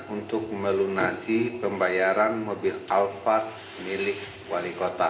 untuk melunasi pembayaran mobil alphard milik wali kota